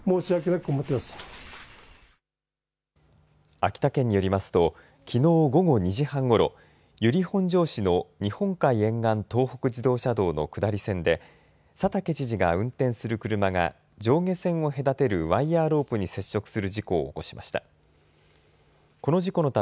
秋田県によりますときのう午後２時半ごろ由利本荘市の日本海沿岸東北自動車道の下り線で佐竹知事が運転する車が上下線を隔てるワイヤーロープに接触する事故を起こしました。